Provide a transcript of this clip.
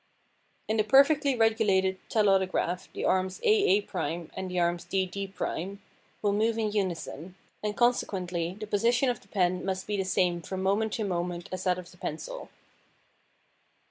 In the perfectly regulated telautograph the arms AA' and the arms DD' will move in unison, and consequently the position of the pen must be the same from moment to moment as that of the pencil.